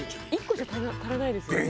１個じゃ足らないですよね。